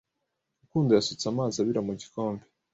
Rukundo yasutse amazi abira mu gikombe.